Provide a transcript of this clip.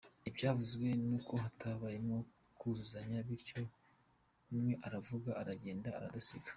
Ibyavuzwe ni uko hatabayemo kuzuzanya bityo umwe aravuga aragenda aradusiga.